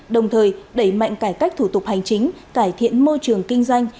đồng thời đẩy mạnh cải cách thủ tục hành chính cải thiện môi trường kinh doanh